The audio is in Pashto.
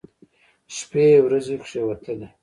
شپې ورځې کښېوتلې.